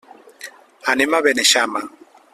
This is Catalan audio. Anem a Beneixama.